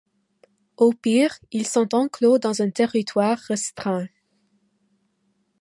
Au pire, ils sont enclos dans un territoire restreint.